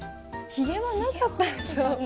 ひげはなかったと思う。